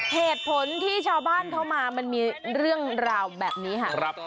เหตุผลที่ชาวบ้านเขามามันมีเรื่องราวแบบนี้ค่ะ